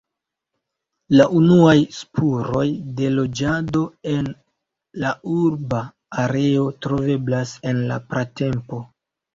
La unuaj spuroj de loĝado en la urba areo troveblas en la pratempo.